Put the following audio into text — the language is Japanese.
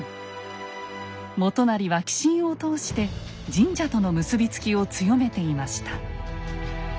元就は寄進を通して神社との結び付きを強めていました。